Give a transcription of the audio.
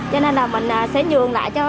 cho nên là mình sẽ nhường lại cho